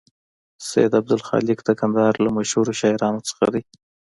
سید عبدالخالق د کندهار له مشهور شاعرانو څخه دی.